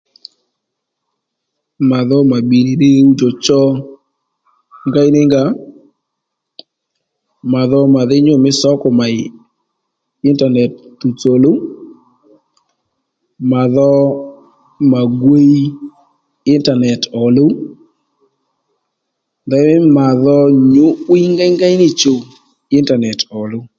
Mà dho mà bbì nì ddiy ɦuwdjò cho ngéy ní nga mà dho mà dhí nyû mí sǒkù mèy intanet tuw òluw mà dho mà gwiy intanet tuw òluw ndèymí mà dho nyǔ'wiy ngéyngéy ní nì chùw intanet òluw